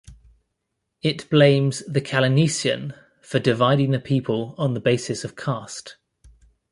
It blames the kalineesan for dividing the people on the basis of caste.